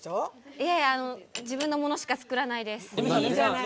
いえ、自分のものしか作らないです。